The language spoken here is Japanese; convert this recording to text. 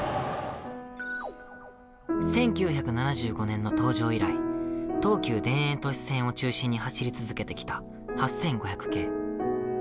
１９７５年の登場以来、東急田園都市線を中心に走り続けてきた８５００系。